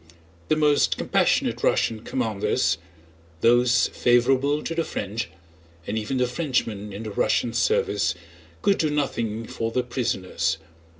The most compassionate Russian commanders, those favorable to the French—and even the Frenchmen in the Russian service—could do nothing for the prisoners.